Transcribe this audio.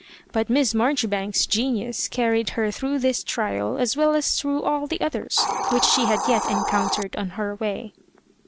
But Miss Mar joribanks's genius carried her through this trial, as well as through all the others which she had yet encountered on her way.